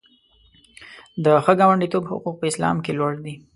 د ښه ګاونډیتوب حقوق په اسلام کې لوړ دي.